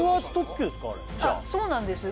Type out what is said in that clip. あれそうなんです